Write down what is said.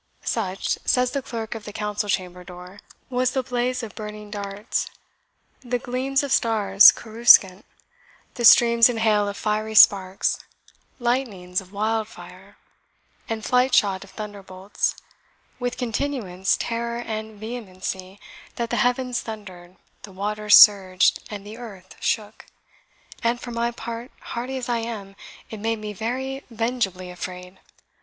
"Such," says the Clerk of the Council chamber door "was the blaze of burning darts, the gleams of stars coruscant, the streams and hail of fiery sparks, lightnings of wildfire, and flight shot of thunderbolts, with continuance, terror, and vehemency, that the heavens thundered, the waters surged, and the earth shook; and for my part, hardy as I am, it made me very vengeably afraid."